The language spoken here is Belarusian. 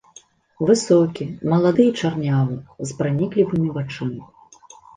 Высокі, малады і чарнявы, з праніклівымі вачыма.